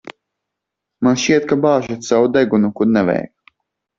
Man šķiet, ka bāžat savu degunu, kur nevajag.